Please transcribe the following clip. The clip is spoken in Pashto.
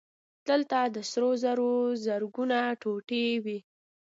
دلته د سرو زرو زرګونه ټوټې وې